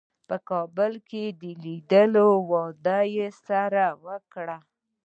په کابل کې د لیدو وعده سره وکړه.